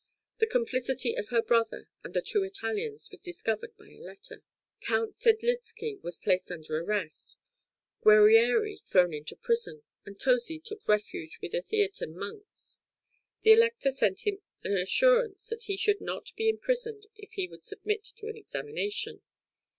The complicity of her brother and the two Italians was discovered by a letter; Count Sedlizky was placed under arrest, Guerrieri thrown into prison, and Tozi took refuge with the Theatin monks. The Elector sent him an assurance that he should not be imprisoned if he would submit to an examination.